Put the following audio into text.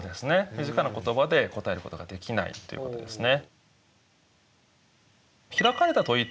短な言葉で答えることができないということですね。